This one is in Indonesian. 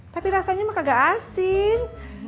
tapi rasanya mah kagak asin